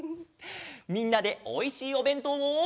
みんなでおいしいおべんとうを。